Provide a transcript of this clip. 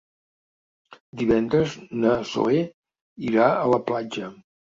Divendres na Zoè irà a la platja.